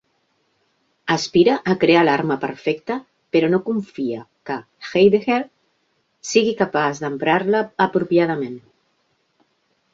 Aspira a crear l'arma perfecta però no confia que Heidegger sigui capaç d'emprar-la apropiadament.